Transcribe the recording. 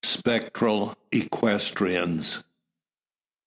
SPECTRAL EQUESTRIANS.